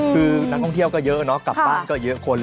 คือนักท่องเที่ยวก็เยอะเนาะกลับบ้านก็เยอะคน